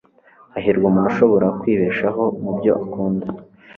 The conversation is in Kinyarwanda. Hahirwa umuntu ushobora kwibeshaho mu byo akunda.”